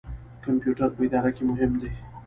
کمپیوټر په اداره کې مهم دی